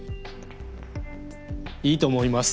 いいと思います。